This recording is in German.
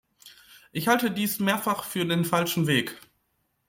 Ich halte dies mehrfach für den falschen Weg.